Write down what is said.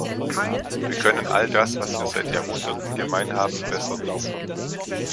Wir können all das, was wir seit Jahrhunderten gemein haben, besser nutzen.